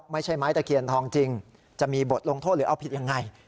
ไม่ใช่ไม้ตะเคียนทองจริงจะมีบทลงโทษหรือเอาผิดยังไง